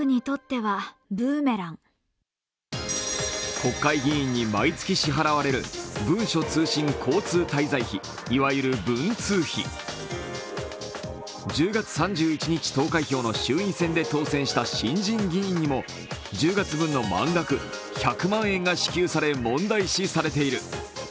国会議員に毎月支払われる文書通信交通滞在費、１０月３１日投開票の衆院選で当選した新人議員にも１０月分の満額１００万円が支給され問題視されている。